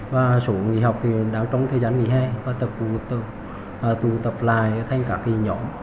và số nghỉ học thì đã trong thời gian nghỉ hẹn và tập tục tập lại thành các nhóm